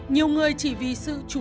nhiều người chỉ vì sự chú ý